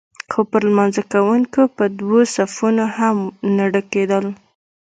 خو پر لمانځه کوونکو به دوه صفونه هم نه ډکېدل.